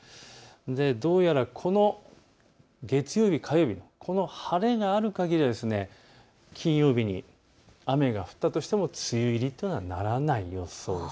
どうやら月曜日、火曜日、この晴れがあるかぎりは金曜日に雨が降ったとしても梅雨入りにはならない予想です。